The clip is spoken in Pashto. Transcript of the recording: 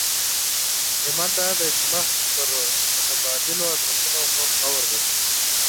همت دا دی چې مخ پر متبادلو ادرسونو غور وشي.